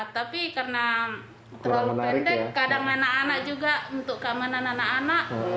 tapi karena terlalu pendek kadang anak anak juga untuk keamanan anak anak